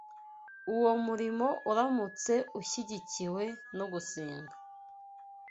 Uwo murimo uramutse ushyigikiwe no gusenga